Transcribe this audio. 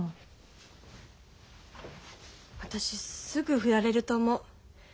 私すぐ振られると思う。